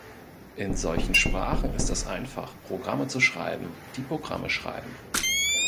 In solchen Sprachen ist es einfach, Programme zu schreiben, die Programme schreiben.